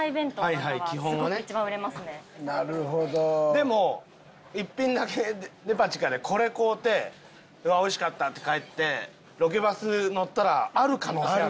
でも「１品だけデパ地下！！」でこれ買うてうわーおいしかったって帰ってロケバス乗ったらある可能性ある。